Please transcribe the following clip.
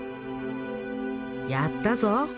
「やったぞ！